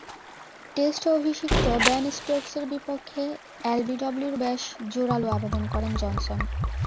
Test অভিষিক্ত Ben স্টোকসের বিপক্ষে এলবিডব্লুর বেশ জোরালো আবেদন করেন জনসন।